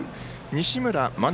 西村真人